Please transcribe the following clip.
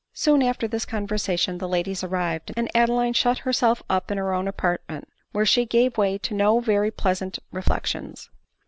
Soon after this conversation the ladies arrived, and Ade line shut herself up in her own apartment, where she gave way to no very pleasant reflections.